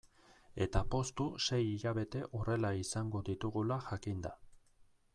Eta poztu sei hilabete horrela izango ditugula jakinda.